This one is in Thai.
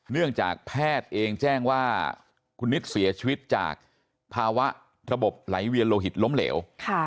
เนื่องจากแพทย์เองแจ้งว่าคุณนิดเสียชีวิตจากภาวะระบบไหลเวียนโลหิตล้มเหลว